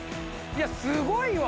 いや、すごいわ。